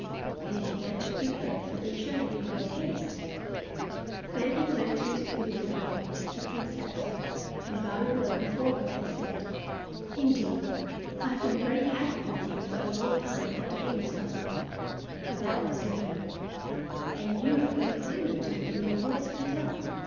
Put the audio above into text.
And he began to prepare for the journey in great haste. Then he went to his beautiful wife, the Princess, and bowing low before her he said: "Indeed, I have been very happy with you for a long time, Otohime Sama" (for that was her name), "and you have been kinder to me than any words can tell.